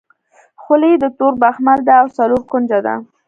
خولۍ د تور بخمل ده او څلور کونجه ده.